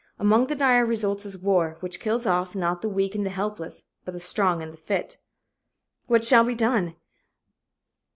Among the dire results is war, which kills off, not the weak and the helpless, but the strong and the fit. What shall be done?